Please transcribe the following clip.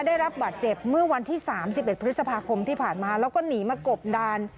ได้รับบาดเจ็บเมื่อวันที่๓๑พฤษภาคมที่ผ่านมาแล้วก็หนีมากบดาน